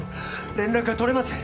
連絡が取れません